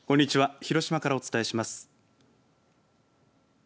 広島からお伝えします。